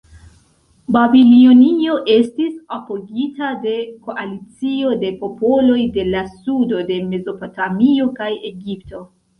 Babilonio estis apogita de koalicio de popoloj de la sudo de Mezopotamio kaj Egipto.